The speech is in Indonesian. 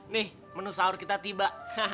nih menu sahur kita tiba